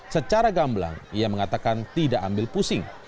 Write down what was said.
secara gamblang ia mengatakan tidak ambil pusing